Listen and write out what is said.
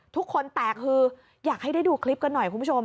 ทุกคนแตกฮืออยากให้ได้ดูคลิปกันหน่อยคุณผู้ชม